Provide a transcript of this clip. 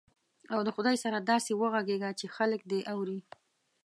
او د خدای سره داسې وغږېږه چې خلک دې اوري.